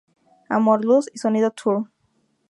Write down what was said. Amor, Luz y Sonido Tour